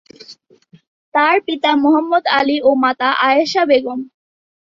তার পিতা মুহাম্মদ আলী ও মাতা আয়েশা বেগম।